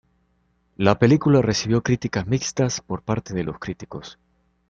La película recibió críticas mixtas por parte de los críticos.